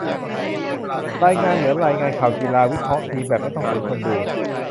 รายงานเหมือนรายงานข่าวกีฬา วิเคราะห์ทีมแบบไม่ต้องสนคนดู